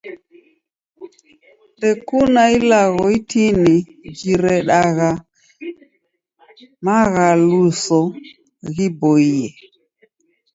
Ndekuna ilagho itini jiredagha maghaluso ghiboie.